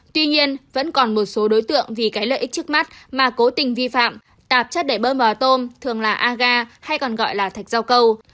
tuy nhiên vẫn còn một số đối tượng vì cái lợi ích trước mắt mà cố tình vi phạm tạp chất để bơm vào tôm thường là aga hay còn gọi là thạch rau câu